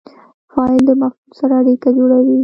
فاعل د مفعول سره اړیکه جوړوي.